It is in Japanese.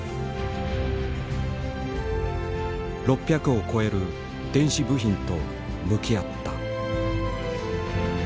６００を超える電子部品と向き合った。